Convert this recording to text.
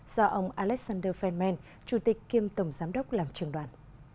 do ông alexander fengmen chủ tịch kiêm tổng giám đốc làm trường đoàn